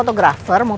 tante rosa di rumah